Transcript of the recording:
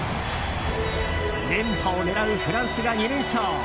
連覇を狙うフランスが２連勝。